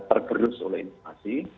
tergerus oleh inflasi